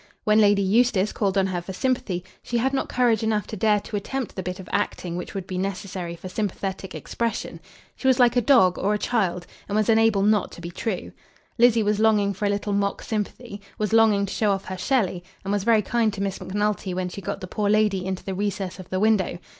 When Lady Eustace called on her for sympathy, she had not courage enough to dare to attempt the bit of acting which would be necessary for sympathetic expression. She was like a dog or a child, and was unable not to be true. Lizzie was longing for a little mock sympathy, was longing to show off her Shelley, and was very kind to Miss Macnulty when she got the poor lady into the recess of the window.